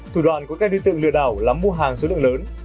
thủ đoạn của các đối tượng lừa đảo là mua hàng số lượng lớn